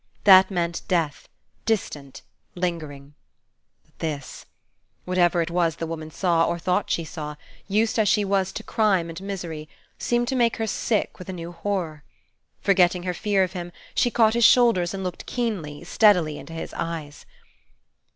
That meant death, distant, lingering: but this Whatever it was the woman saw, or thought she saw, used as she was to crime and misery, seemed to make her sick with a new horror. Forgetting her fear of him, she caught his shoulders, and looked keenly, steadily, into his eyes.